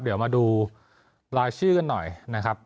เดี๋ยวมาดูรายชื่อกันหน่อยนะครับ